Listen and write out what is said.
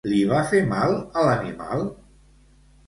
Li va fer mal a l'animal?